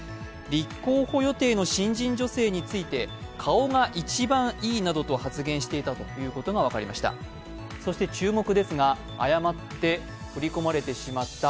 立候補予定の新人女性について、顔が一番良いなどと発言していたことが分かりました。